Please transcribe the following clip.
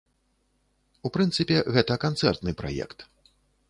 У прынцыпе, гэта канцэртны праект.